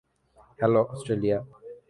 Hello, Australia.